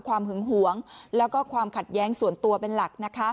หึงหวงแล้วก็ความขัดแย้งส่วนตัวเป็นหลัก